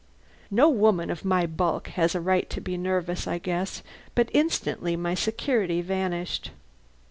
No woman of my bulk has a right to be nervous, I guess, but instantly my security vanished!